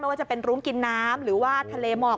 ว่าจะเป็นรุ้งกินน้ำหรือว่าทะเลหมอก